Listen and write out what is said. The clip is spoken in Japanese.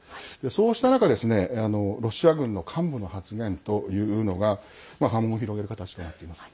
そうした中ロシア軍の幹部の発言というのが波紋を広げる形となっています。